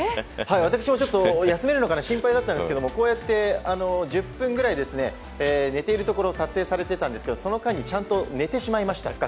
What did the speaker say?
私も休めるのか心配だったんですがこうやって１０分ぐらい寝ているところを撮影されていたんですがその間にちゃんと寝てしまいました。